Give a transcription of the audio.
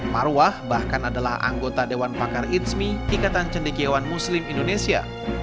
marwah bahkan adalah anggota dewan pakar itsmi ikatan cendekiawan muslim indonesia